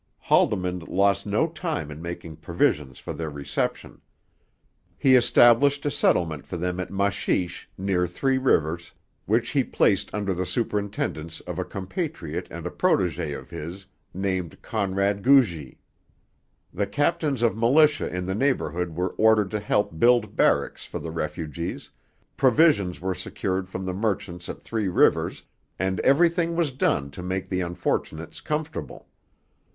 Haldimand lost no time in making provision for their reception. He established a settlement for them at Machiche, near Three Rivers, which he placed under the superintendence of a compatriot and a protege of his named Conrad Gugy. The captains of militia in the neighbourhood were ordered to help build barracks for the refugees, provisions were secured from the merchants at Three Rivers, and everything in reason was done to make the unfortunates comfortable.